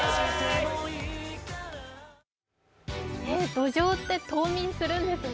どじょうって冬眠するんですね。